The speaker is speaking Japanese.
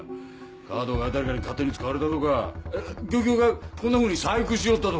カードが誰かに勝手に使われたとか漁協がこんなふうに細工しよったとか。